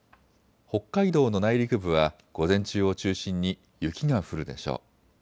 北海道の内陸部は午前中を中心に雪が降るでしょう。